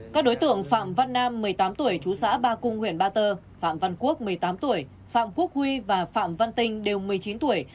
các đối tượng phạm văn nam một mươi tám tuổi chú xã ba cung huyện ba tơ phạm văn quốc một mươi tám tuổi phạm quốc huy và phạm văn tinh đều một mươi chín tuổi